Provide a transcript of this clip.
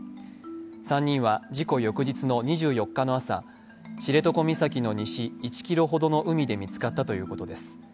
３人は事故翌日の２４日の朝知床岬の西１ｋｍほどの海で見つかったということです。